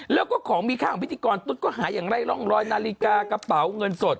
แล้วก็ของมีค่าของพิธีกรตุ๊ดก็หาอย่างไร้ร่องรอยนาฬิกากระเป๋าเงินสด